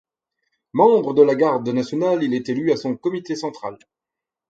Membre de la Garde nationale il est élu à son comité central.